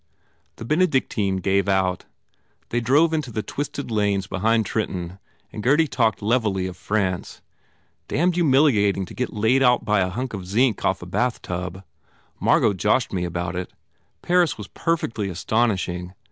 The Benedictine gave out. They drove into the twisted lanes behind Trenton and Gurdy talked levelly of France. "Damned humiliating to get laid out by a hunk of zinc off a bathtub. Margot joshed me about it. ... Paris was perfectly astonishing!